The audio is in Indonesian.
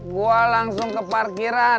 gua langsung ke parkiran